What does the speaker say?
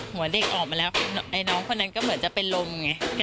หัวเด็กออกมาแล้วไอ้น้องคนนั้นก็เหมือนจะเป็นลมไง